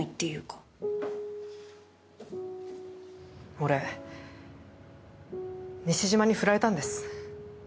俺西島に振られたんです。